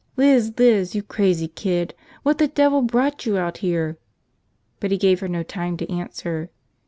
"Liz, Liz, you crazy kid! What the devil brought you out here?" But he gave her no time to answer.